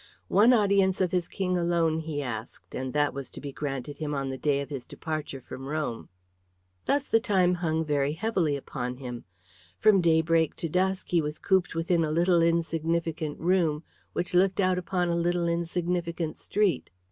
One audience of his King alone he asked, and that was to be granted him on the day of his departure from Rome. Thus the time hung very heavily upon him. From daybreak to dusk he was cooped within a little insignificant room which looked out upon a little insignificant street.